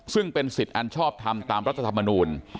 ซึ่งเป็นสิทธิ์อันชอบทำตามรัฐธรรมนูล